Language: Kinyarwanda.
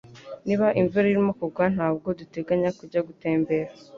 Niba imvura irimo kugwa ntabwo duteganya kujya gutembera